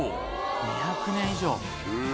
２００年以上。